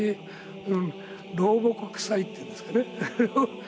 うん老木くさいっていうんですかね。